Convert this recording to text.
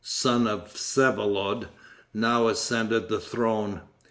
son of Vsevelod, now ascended the throne.